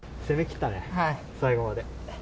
攻めきったね、最後まで。